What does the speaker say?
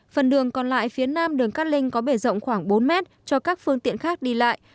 phần đường còn lại phía nam đường cát linh có bể rộng khoảng bốn mét cho các phương tiện khác đi lại